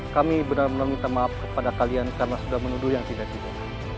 kami benar benar minta maaf kepada kalian karena sudah menuduh yang tiba tiba